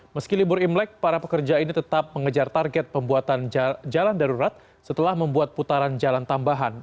meski libur imlek para pekerja ini tetap mengejar target pembuatan jalan darurat setelah membuat putaran jalan tambahan